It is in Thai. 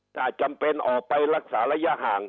ถ้าจำเป็นออกไปรักษาระยะห่าง